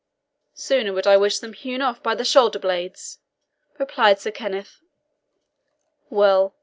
"Sooner would I wish them hewn off by the shoulder blades!" replied Sir Kenneth. "Well.